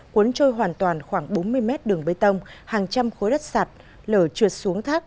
cuốn trôi hoàn toàn khoảng bốn mươi mét đường bê tông hàng trăm khối đất sạt lở trượt xuống thác